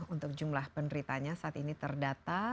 untuk jumlah penderitanya saat ini terdata